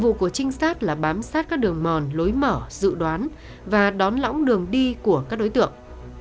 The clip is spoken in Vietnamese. nhiệm vụ của trinh sát là bám sát các đường mòn lối mở dự đoán và đón lõng đường đi của các đối tượng